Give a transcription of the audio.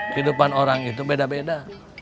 kehidupan orang itu beda beda